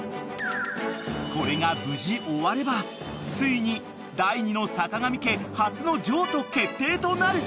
［これが無事終わればついに第２の坂上家初の譲渡決定となる］